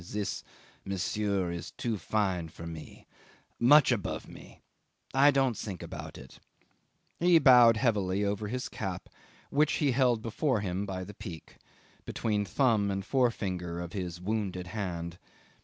"This, monsieur, is too fine for me much above me I don't think about it." He bowed heavily over his cap, which he held before him by the peak, between the thumb and the forefinger of his wounded hand.